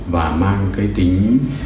và mang cái tính